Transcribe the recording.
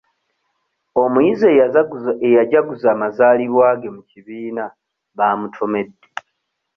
Omuyizi eyajaguza amazaalibwa ge mu kibiina baamutomedde.